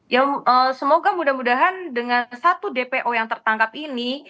ya semoga mudah mudahan dengan satu dpo yang tertangkap ini